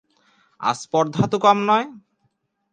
আস্পর্ধা তো কম নয়।